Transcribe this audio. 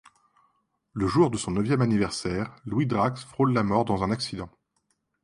Le jour de son neuvième anniversaire, Louis Drax frôle la mort dans un accident.